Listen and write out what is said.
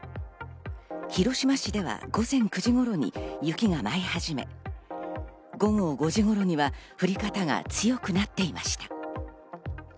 広島市では午前９時頃に雪が舞いはじめ、午後５時頃には降り方が強くなっていました。